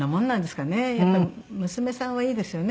やっぱり娘さんはいいですよね